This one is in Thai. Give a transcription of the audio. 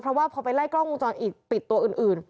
เพราะว่าพอไปไล่กล้องวงจรปิดปิดตัวอื่น